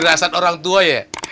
berdasar orang tua ya